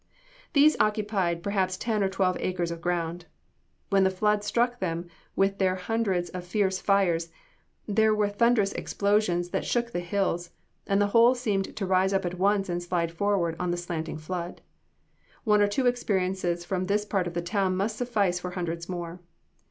These occupied perhaps ten or twelve acres of ground. When the flood struck them with their hundreds of fierce fires, there were thunderous explosions that shook the hills, and the whole seemed to rise up at once and slide forward on the slanting flood. One or two experiences from this part of the town must suffice for hundreds more.